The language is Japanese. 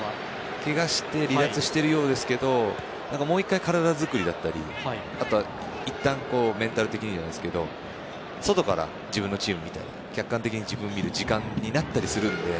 けがして離脱しているようですけどもう１回、体作りだったりあとは、いったんメンタル的に外から自分のチームを見て客観的に自分を見る時間になったりするので。